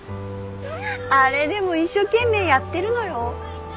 あれでも一生懸命やってるのよ。